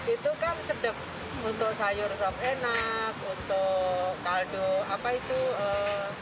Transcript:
itu kan sedap untuk sayur enak untuk kaldu sop sop yang kayak sop kondro enak